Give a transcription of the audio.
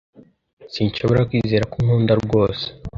Sinshobora kwizera ko unkunda rwose.